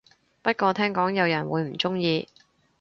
不過聽講有人會唔鍾意